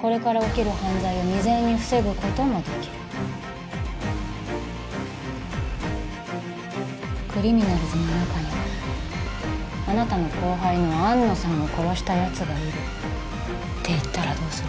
これから起きる犯罪を未然に防ぐこともできるクリミナルズの中にはあなたの後輩の安野さんを殺したやつがいるって言ったらどうする？